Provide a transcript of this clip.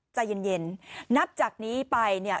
ใจเย็นนับจากนี้ไปเนี่ย